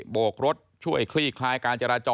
โบกรถช่วยคลี่คลายการจราจร